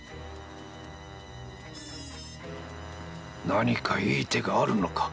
何かいい手があるのか？